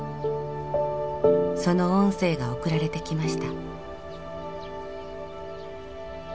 その音声が送られてきました。